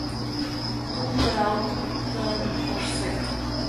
Туп кыралтын ожсек...